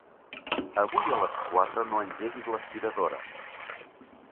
Avui a les quatre no engeguis l'aspiradora.